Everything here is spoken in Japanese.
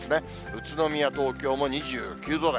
宇都宮、東京も２９度台。